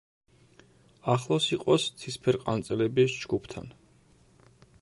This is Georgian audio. ახლოს იყოს ცისფერყანწელების ჯგუფთან.